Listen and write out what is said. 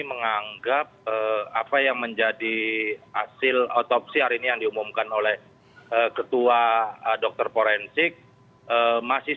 menganggap apa yang menjadi hasil otopsi hari ini yang diumumkan oleh ketua dr forensik masih